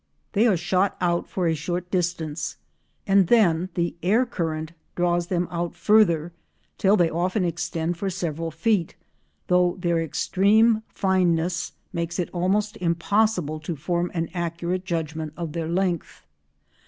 They are shot out for a short distance and then the air current draws them out further till they often extend for several feet, though their extreme fineness makes it almost impossible to form an accurate judgment of their length.